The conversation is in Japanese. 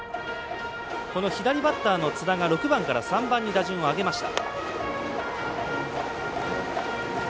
左バッターの津田が６番から３番に打順を上げました。